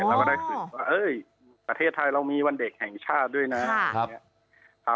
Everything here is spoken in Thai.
เราก็ได้คืนว่าประเทศไทยเรามีวันเด็กแห่งชาติด้วยนะ